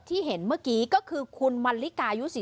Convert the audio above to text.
เห็นเมื่อกี้ก็คือคุณมันลิกายุ๔๐